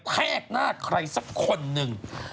เลยผแลกหน้าใครสักคนหนึ่ง